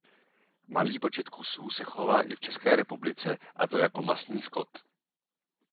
Malý počet kusů se chová i v České republice a to jako masný skot.